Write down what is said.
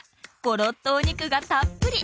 ゴロッとお肉がたっぷり！